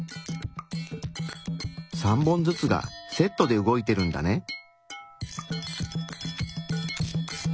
３本ずつがセットで動いてるんだね。